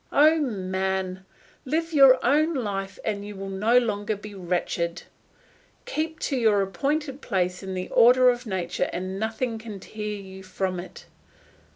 Oh, man! live your own life and you will no longer be wretched. Keep to your appointed place in the order of nature and nothing can tear you from it.